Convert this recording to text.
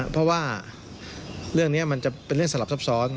เพราะว่าเรื่องนี้มันจะเป็นเรื่องสลับซับซ้อน